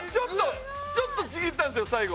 ちょっとちぎったんですよ、最後。